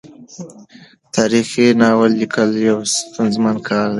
تاریخي ناول لیکل یو ستونزمن کار دی.